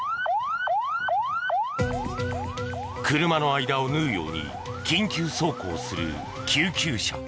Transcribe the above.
車の間を縫うように緊急走行する救急車。